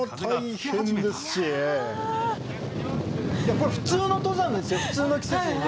これ普通の登山ですよ普通の季節にね。